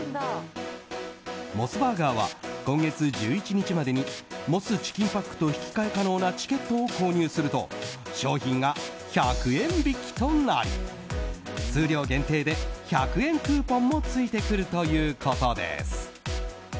モスバーガーは今月１１日までにモスチキンパックと引き換え可能なチケットを購入すると商品が１００円引きとなり数量限定で１００円クーポンもついてくるということです。